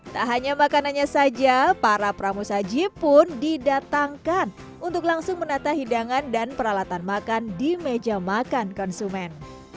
tak hanya makanannya saja para pramu saji pun didatangkan untuk langsung menata hidangan dan peralatan makan di meja makan konsumen